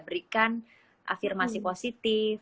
berikan afirmasi positif